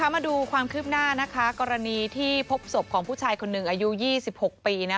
มาดูความคืบหน้ากรณีที่พบศพของผู้ชายคนหนึ่งอายุ๒๖ปี